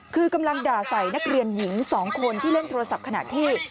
คือกำลังด่าใส่นักเรียนหญิง๒คนที่เล่นโทรศัพท์ขณะที่